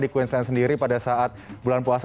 di queensland sendiri pada saat bulan puasa